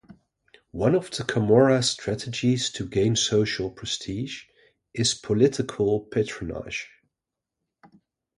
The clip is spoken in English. One of the Camorra's strategies to gain social prestige is political patronage.